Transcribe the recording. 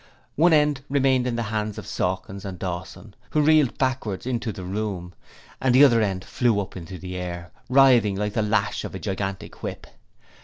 One end remained in the hands of Sawkins and Dawson, who reeled backwards into the room, and the other end flew up into the air, writhing like the lash of a gigantic whip.